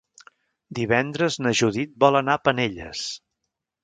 Divendres na Judit vol anar a Penelles.